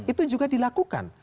itu juga dilakukan